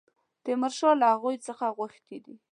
تیمورشاه له هغوی څخه غوښتي دي.